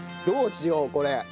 どうしようこれ。